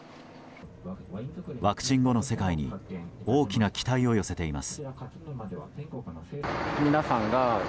ワクチン後の世界に大きな期待を寄せています。